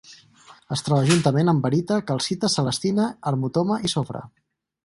Es troba juntament amb barita, calcita, celestina, harmotoma i sofre.